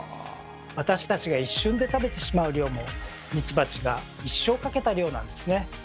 私たちが一瞬で食べてしまう量もミツバチが一生かけた量なんですね。